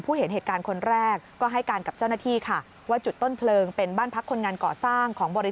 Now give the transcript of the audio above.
ผู้เห็นเหตุการณ์คนแรก